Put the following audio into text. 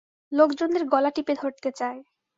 লোকজনদের গলা টিপে ধরতে চায়।